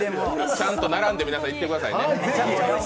ちゃんと並んでみんな行ってくださいね。